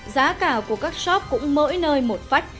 giá cả của các shop cũng mỗi nơi một phách